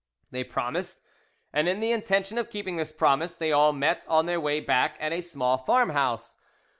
They promised, and in the intention of keeping this promise they all met on their way back at a small farmhouse.